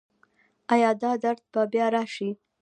ایا دا درد به بیا راشي؟